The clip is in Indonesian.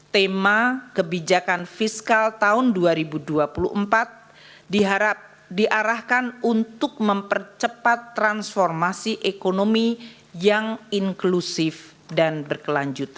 tema kebijakan fiskal tahun dua ribu dua puluh empat diarahkan untuk mempercepat transformasi ekonomi yang inklusif dan berkelanjutan